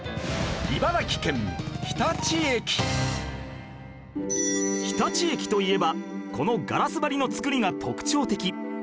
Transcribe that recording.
日立駅といえばこのガラス張りの造りが特徴的